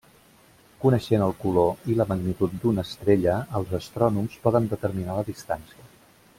Coneixent el color i la magnitud d'una estrella els astrònoms poden determinar la distància.